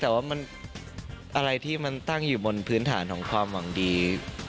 แต่ว่ามันอะไรที่มันตั้งอยู่บนพื้นฐานของความหวังดี